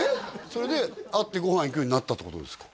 それで会ってご飯行くようになったってことですか？